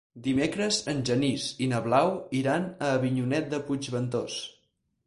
Dimecres en Genís i na Blau iran a Avinyonet de Puigventós.